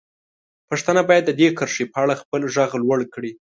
پښتانه باید د دې کرښې په اړه خپل غږ لوړ کړي.